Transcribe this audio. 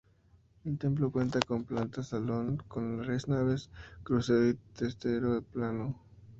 El templo cuenta con planta de salón, con tres naves, crucero y testero plano.